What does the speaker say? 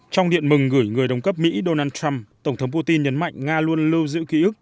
trong điện mừng gửi người đồng cấp mỹ donald trump tổng thống putin nhấn mạnh nga luôn lưu giữ ký ức